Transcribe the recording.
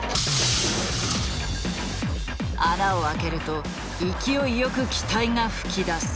穴を開けると勢いよく気体が噴き出す。